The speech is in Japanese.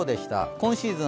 今シーズン